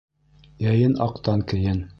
Йәйен аҡтан кейен